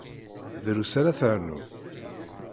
Drus ara ternu.